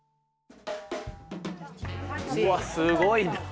うわっすごいな。